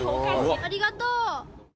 ありがとう。